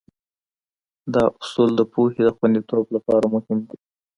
دا اصول د پوهې د خونديتوب لپاره مهم دي.